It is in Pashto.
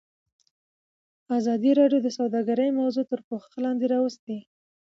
ازادي راډیو د سوداګري موضوع تر پوښښ لاندې راوستې.